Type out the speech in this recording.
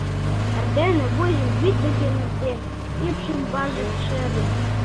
Эрдене вуйжым вӱд деке нӧртен, ӱпшым важык шерын.